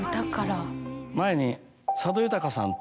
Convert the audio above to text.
前に佐渡裕さんと。